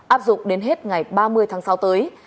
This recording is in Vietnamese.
áp dụng đến hết ngày ba mươi tháng sáu tới